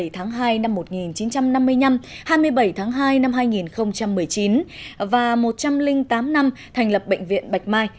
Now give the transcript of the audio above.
hai mươi tháng hai năm một nghìn chín trăm năm mươi năm hai mươi bảy tháng hai năm hai nghìn một mươi chín và một trăm linh tám năm thành lập bệnh viện bạch mai